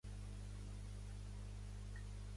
Reviuen bevent els períodes de la guerra on van ser herois.